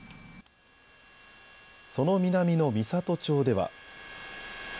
その南の美郷町では。